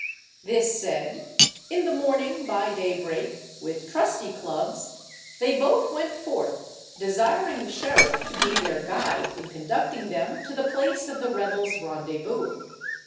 This said, in the morning by daybreak, with trusty clubs, they both went forth, desiring the Sheriff to be their guide in conducting them to the place of the rebels' rendezvous.